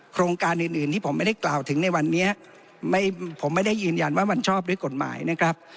โครงการอื่นอื่นที่ผมไม่ได้กล่าวถึงในวันนี้ไม่ผมไม่ได้ยืนยันว่ามันชอบด้วยกฎหมายนะครับ